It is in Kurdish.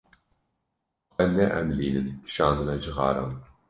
Xwe neelîmînin kişandina cixaran.